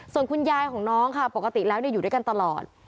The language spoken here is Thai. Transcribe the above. ส่วนคุณยายของน้องค่ะปกติแล้วอยู่ด้วยกันตลอด